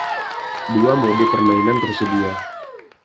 Dua mode permainan tersedia.